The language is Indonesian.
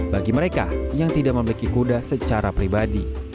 bagi mereka yang tidak memiliki kuda secara pribadi